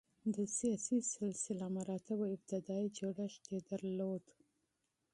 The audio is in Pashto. د سیاسي سلسله مراتبو ابتدايي جوړښت یې درلود.